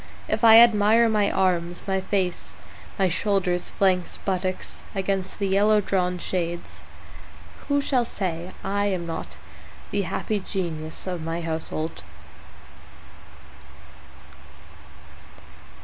If I admire my arms, my face, my shoulders, flanks, buttocks against the yellow drawn shades, Who shall say I am not the happy genius of my household?